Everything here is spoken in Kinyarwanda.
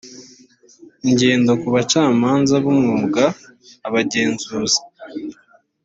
ingendo ku bacamanza b umwuga abagenzuzi